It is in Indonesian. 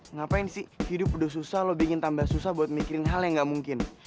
ngapain sih hidup udah susah lo bikin tambah susah buat mikirin hal yang gak mungkin